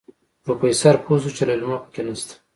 پروفيسر پوه شو چې ليلما پکې نشته.